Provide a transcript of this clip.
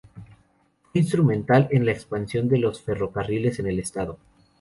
Fue instrumental en la expansión de los ferrocarriles en el estado.